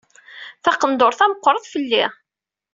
Taqenduṛt-a meqqret fell-i.